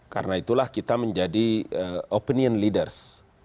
karena itulah kita menjadi opinion leaders